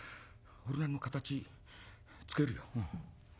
俺の形つけるよ。